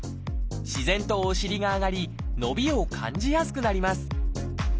自然とお尻が上がり伸びを感じやすくなります